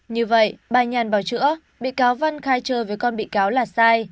như vậy bà nhàn báo chữa bị cáo văn khai trơ với con bị cáo là sai